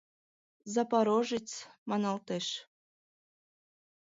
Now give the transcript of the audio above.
«Запорожец» маналтеш.